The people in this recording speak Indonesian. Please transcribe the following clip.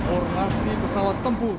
ornasi pesawat tempur